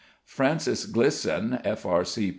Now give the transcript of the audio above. =Francis Glisson= (F.R.C.P.